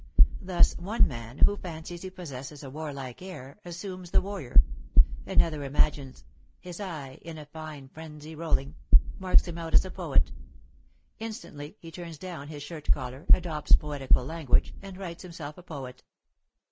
Thus one man, who fancies he possesses a warlike air, assumes the warrior; another imagines "His eye, in a fine frenzy rolling," marks him out as a poet; instantly he turns down his shirt collar, adopts poetical language, and writes himself poet.